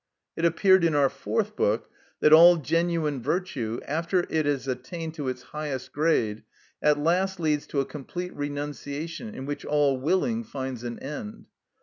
It appeared in our fourth book that all genuine virtue, after it has attained to its highest grade, at last leads to a complete renunciation in which all willing finds an end.